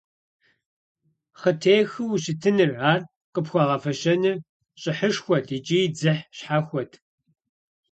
Хъытехыу ущытыныр, ар къыпхуагъэфэщэныр щӀыхьышхуэт икӀи дзыхь щхьэхуэт.